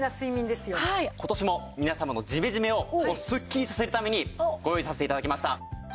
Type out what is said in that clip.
今年も皆様のジメジメをすっきりさせるためにご用意させて頂きました。